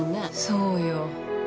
そうよ。